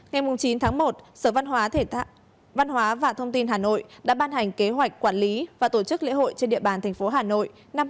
ngày chín tháng một sở văn hóa và thông tin hà nội đã ban hành kế hoạch quản lý và tổ chức lễ hội trên địa bàn thành phố hà nội năm hai nghìn hai mươi